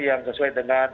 yang sesuai dengan